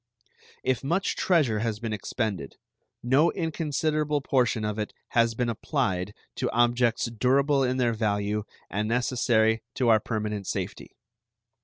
If much treasure has been expended, no inconsiderable portion of it has been applied to objects durable in their value and necessary to our permanent safety.